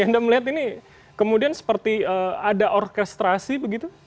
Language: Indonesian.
anda melihat ini kemudian seperti ada orkestrasi begitu